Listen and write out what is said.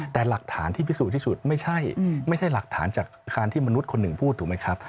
แต่หลักฐานที่พิสูจน์ที่สุดไม่ใช่ไม่ใช่หลักฐานจากการที่มนุษย์คนหนึ่งพูดถูกไหมครับ